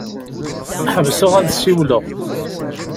Ḥebseɣ ad ssiwleɣ.